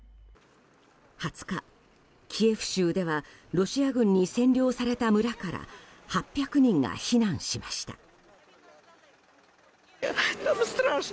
２０日、キエフ州ではロシア軍に占領された村から８００人が避難しました。